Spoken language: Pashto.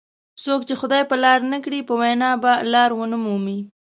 څوک چې خدای په لار نه کړي په وینا به لار ونه مومي.